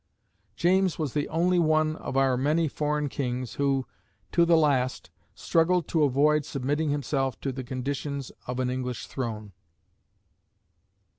James was the only one of our many foreign kings who, to the last, struggled to avoid submitting himself to the conditions of an English throne.